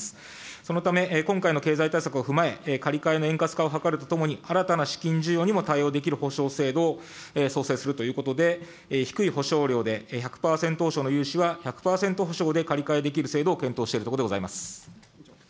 そのため、今回の経済対策を踏まえ、借り換えの円滑化を図るとともに、新たな資金需要にも対応できる保証制度を創設するということで、低い保証料で１００％の融資は１００％保証で借り換えできる制度を検討しているところでございます。